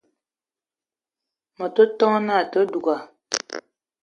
A te ton na àte duga